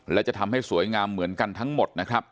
และจะทำให้สวยงามเหมือนกันทั้งหมดนะครับ